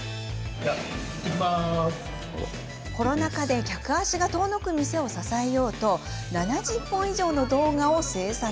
コロナ禍で客足が遠のく店を支えようと７０本以上の動画を制作。